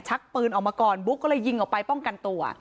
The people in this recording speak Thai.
ปืนออกมาก่อนบุ๊กก็เลยยิงออกไปป้องกันตัว